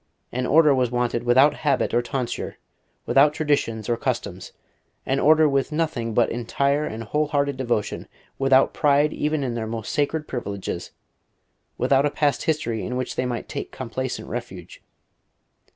An Order was wanted without habit or tonsure, without traditions or customs, an Order with nothing but entire and whole hearted devotion, without pride even in their most sacred privileges, without a past history in which they might take complacent refuge.